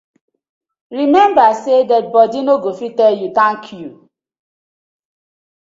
Remmeber say dead bodi no go fit tell yu tank yu.